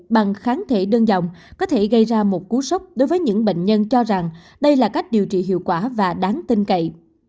bằng kháng thể đơn dòng có thể gây ra một cú sốc đối với những bệnh nhân cho rằng đây là cách điều trị hiệu quả và đáng tin cậy